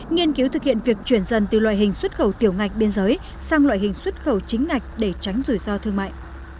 nghiên cứu thực hiện việc chuyển dần từ loại hình xuất khẩu tiểu ngạch biên giới sang loại hình xuất khẩu chính ngạch để tránh rủi ro thương mại